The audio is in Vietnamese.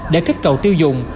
để kết cầu tiêu dùng